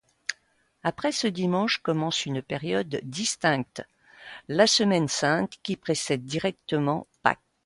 Après ce dimanche commence une période distincte, la Semaine sainte qui précède directement Pâques.